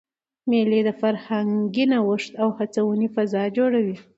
مېلې د فرهنګي نوښت او هڅوني فضا جوړوي.